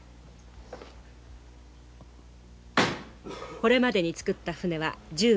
これまでに作った舟は１５隻。